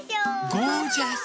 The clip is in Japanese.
ゴージャス。